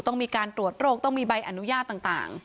ต้องมีการตรวจโรคต้องมีใบอนุญาตต่าง